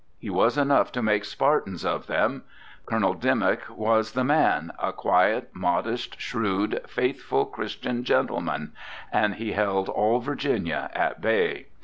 He was enough to make Spartans of them. Colonel Dimmick was the man, a quiet, modest, shrewd, faithful, Christian gentleman; and he held all Virginia at bay.